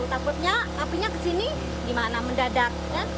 takutnya apinya kesini di mana mendadak